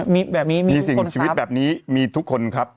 มีสิ่งชีวิตแบบนี้มีทุกคนครับ